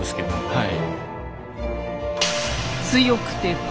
はい。